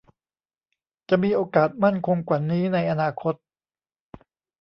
จะมีโอกาสมั่นคงกว่านี้ในอนาคต